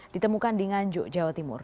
ditemukan di nganjuk jawa timur